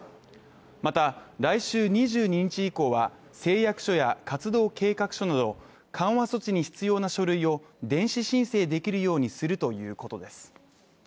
また、来週２２日以降は誓約書や活動計画書など緩和措置に必要な書類を電子申請できるようにするということです。